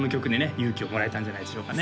勇気をもらえたんじゃないでしょうかね